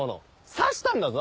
刺したんだぞ。